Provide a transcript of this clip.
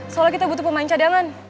soalnya kita butuh pemain cadangan